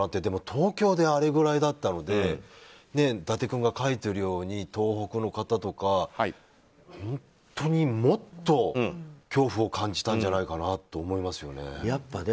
でも東京であれぐらいだったので伊達君が書いているように東北の方とか、本当にもっと恐怖を感じたんじゃないかなと思いますよね。